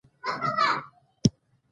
زليخا : هغه نورګل په دروازه کې ولاړ دى.